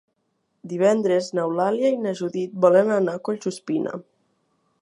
Divendres n'Eulàlia i na Judit volen anar a Collsuspina.